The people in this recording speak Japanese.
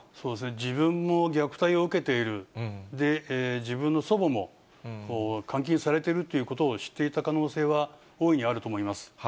自分も虐待を受けている、で、自分の祖母も監禁されているということを知っていた可能性は大いにあると思います。